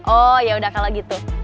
oh ya udah kalo gitu